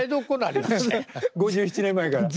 ５７年前から。